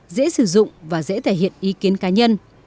dễ sử dụng và dễ thể hiện ý kiến cá nhân